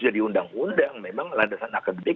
jadi undang undang memang landasan akademik